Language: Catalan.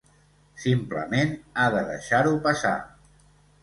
Simplement ha de deixar-ho passar.